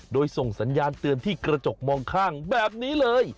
โดยส่งสัญญาณเตือนที่กระจกมองข้างแบบนี้เลย